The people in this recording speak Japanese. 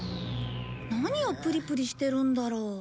何をプリプリしてるんだろう？